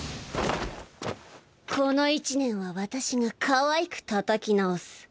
この一年は私がかわいくたたき直す。